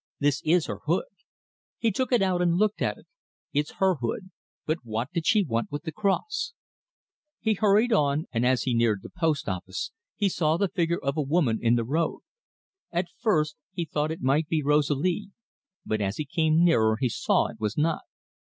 "This is her hood." He took it out and looked at it. "It's her hood but what did she want with the cross?" He hurried on, and as he neared the post office he saw the figure of a woman in the road. At first he thought it might be Rosalie, but as he came nearer he saw it was not.